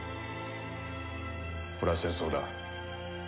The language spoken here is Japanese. これは戦争だ。